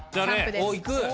おっいく？